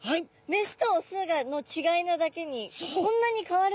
メスとオスの違いなだけにこんなに変わるんですか？